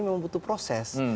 memang butuh proses